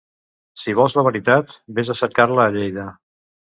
Si vols la veritat, ves a cercar-la a Lleida.